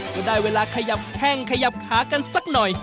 จะได้เวลาขยับแข้งขยับขากันสักหน่อย